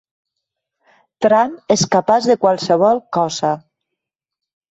Trump és capaç de qualsevol cosa.